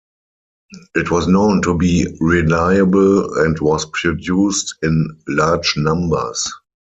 It was known to be reliable and was produced in "large numbers".